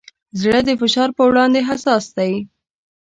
زړه د فشار پر وړاندې حساس دی.